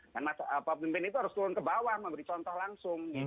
dan pemimpin itu harus turun ke bawah memberi contoh langsung